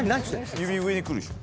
指上にくるでしょ？